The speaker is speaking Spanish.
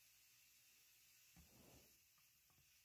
Mientras tanto, el rey Richard intenta ganarse el amor de Madalena.